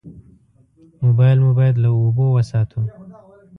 موبایل مو باید له اوبو وساتو.